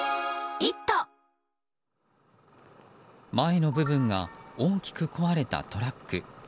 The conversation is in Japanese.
前の部分が大きく壊れたトラック。